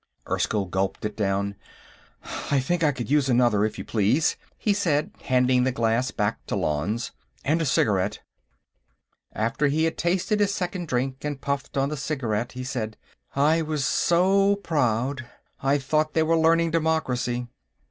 Erskyll gulped it down. "I think I could use another, if you please," he said, handing the glass back to Lanze. "And a cigarette." After he had tasted his second drink and puffed on the cigarette, he said: "I was so proud. I thought they were learning democracy."